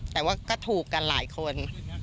แต่ว่าก็ถูกกันหลายคน